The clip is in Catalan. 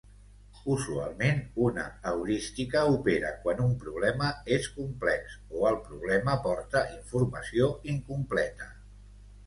Usualment, una heurística opera quan un problema és complex o el problema porta informació incompleta.